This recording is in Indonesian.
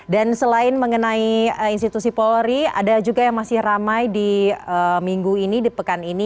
dan selain mengenai institusi polri ada juga yang masih ramai di minggu ini di pekan ini